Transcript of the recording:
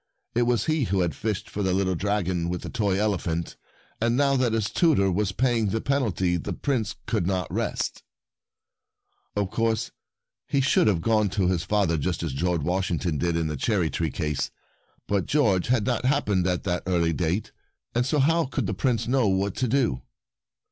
It was he who had fished for the little dragon with a toy ele phant, and now that his tutor Not Thought less But Naughty 6 4 The Prince and the Dragons Sorry was paying the penalty, the Prince could not rest. Of course he should have gone to his father just as George Washington did in the cherry tree case, but George had not happened at that early date, and so how could the Prince know what to do